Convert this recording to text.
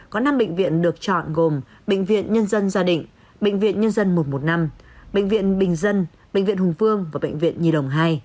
có năm bệnh viện được chọn gồm bệnh viện nhân dân gia định bệnh viện nhân dân một trăm một mươi năm bệnh viện bình dân bệnh viện hùng vương và bệnh viện nhi đồng hai